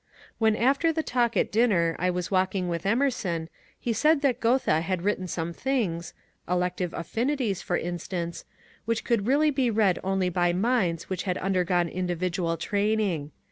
When after the talk at dinner I was walking with Emerson, he said that Goethe had written some things —^^ Elective Affinities," for instance — which could be really read only by minds which had undergone individual training.